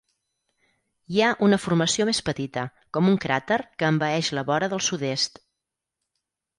Hi ha una formació més petita, com un cràter que envaeix la vora del sud-est.